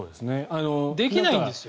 できないんですよ。